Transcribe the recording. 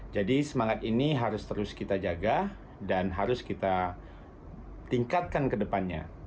jadi semangat ini harus terus kita jaga dan harus kita tingkatkan ke depannya